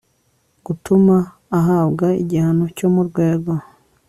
gutuma ahabwa igihano cyo mu rwego